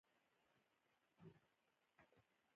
قلم د رسنیو ملګری دی